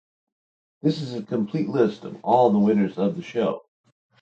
This is a complete list of all the winners of the show.